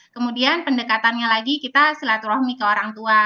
kemudian pendekatannya lagi kita silaturahmi ke orang tua